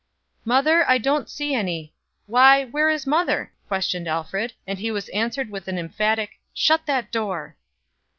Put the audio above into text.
"Mother, I don't see any. Why, where is mother?" questioned Alfred; and was answered with an emphatic "Shut that door!"